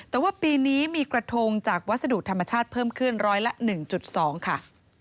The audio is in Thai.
แต่ว่าปีนี้มีกระทงจากวัสดุธรรมชาติเพิ่มขึ้นร้อยละ๑๒ค่ะ